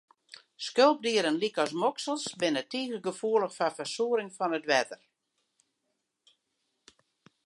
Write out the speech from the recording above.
Skulpdieren lykas moksels, binne tige gefoelich foar fersuorring fan it wetter.